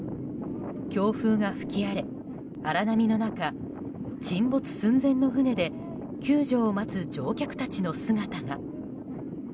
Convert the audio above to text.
強風が吹き荒れ、荒波の中沈没寸前の船で救助を待つ乗客たちの姿が。